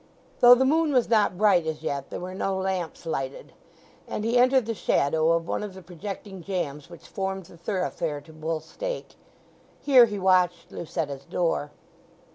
Though the moon was not bright as yet there were no lamps lighted, and he entered the shadow of one of the projecting jambs which formed the thoroughfare to Bull Stake; here he watched Lucetta's door.